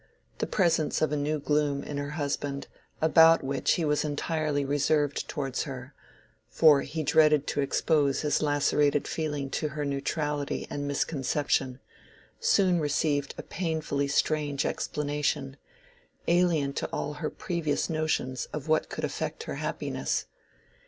The presence of a new gloom in her husband, about which he was entirely reserved towards her—for he dreaded to expose his lacerated feeling to her neutrality and misconception—soon received a painfully strange explanation, alien to all her previous notions of what could affect her happiness.